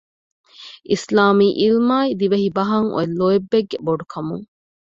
އިސްލާމީ ޢިލްމާއި ދިވެހިބަހަށް އޮތް ލޯތްބެއްގެ ބޮޑުކަމުން